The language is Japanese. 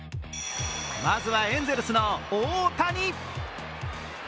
まずはエンゼルスの大谷。